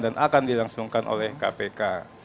akan dilangsungkan oleh kpk